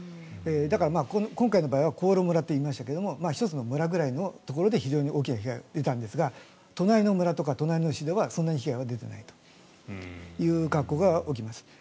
だから、今回の場合は香呂村と言いましたが１つの村ぐらいのところで非常に大きな被害が出たんですが隣の村とか隣の市ではそんなに被害が出ないという格好が起きます。